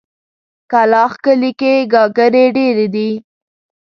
کلاخ کلي کې ګاګرې ډېرې دي.